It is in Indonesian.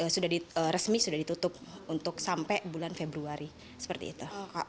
sudah resmi sudah ditutup untuk sampai bulan februari seperti itu